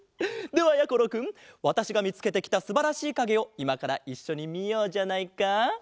ではやころくんわたしがみつけてきたすばらしいかげをいまからいっしょにみようじゃないか。